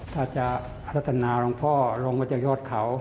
ถ้าจะลักษณะหลวงพ่อลงมาจากโยชน์เขา